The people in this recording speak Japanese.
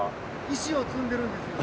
石を積んでるんですか？